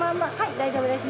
大丈夫です。